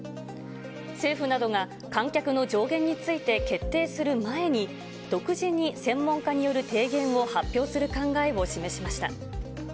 政府などが観客の上限について決定する前に、独自に専門家による提言を発表する考えを示しました。